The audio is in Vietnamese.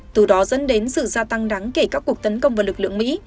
từ đó dẫn đến sự gia tăng đáng kể các cuộc tấn công vào lực lượng mỹ